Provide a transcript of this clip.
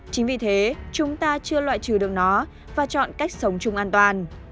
chính vì thế chúng ta chưa loại trừ được nó và chọn cách sống chung an toàn